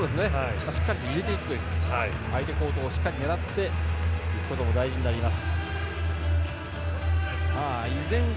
しっかりと入れていくという相手コートをしっかり狙っていくことも大事になります。